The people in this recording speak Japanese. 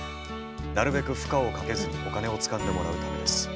なるべく負荷をかけずにお金をつかんでもらうためです。